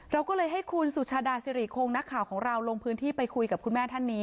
เราก็เลยให้คุณสุชาดาสิริคงนักข่าวของเราลงพื้นที่ไปคุยกับคุณแม่ท่านนี้